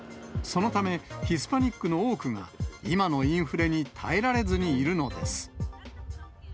そのため、ヒスパニックの多くが、今のインフレに耐えられずにいるのです。